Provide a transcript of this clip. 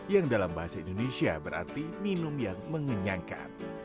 yang dalam bahasa indonesia berarti minum yang mengenyangkan